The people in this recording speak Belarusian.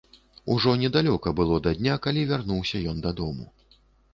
Ужо недалёка было да дня, калі вярнуўся ён дадому.